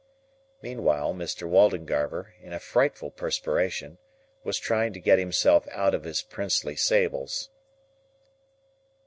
Meanwhile, Mr. Waldengarver, in a frightful perspiration, was trying to get himself out of his princely sables.